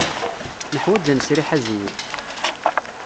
Neḥwaj ad nesriḥ azwu.